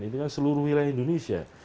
ini kan seluruh wilayah indonesia